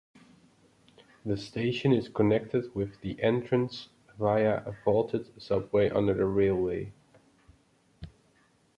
The station is connected with the entrance via a vaulted subway under the railway.